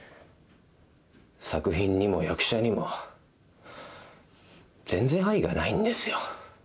作品にも役者にも全然愛がないんですよ。